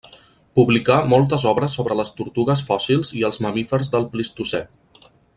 Publicà moltes obres sobre les tortugues fòssils i els mamífers del Plistocè.